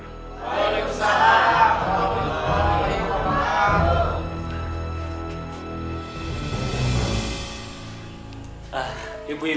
waalaikumsalam warahmatullahi wabarakatuh